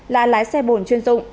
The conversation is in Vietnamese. là lái xe bồn chuyên dụng